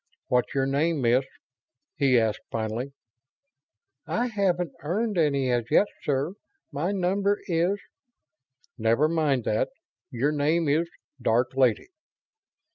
"What's your name, Miss?" he asked, finally. "I haven't earned any as yet, sir. My number is ..." "Never mind that. Your name is 'Dark Lady'."